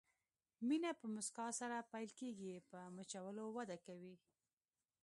مینه په مسکا سره پیل کېږي، په مچولو وده کوي.